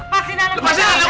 bikin gue yang terkebak